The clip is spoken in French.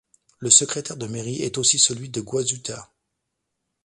Le secrétaire de mairie est aussi celui de Goizueta.